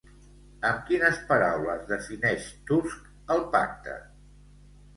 Amb quines paraules defineix Tusk el pacte?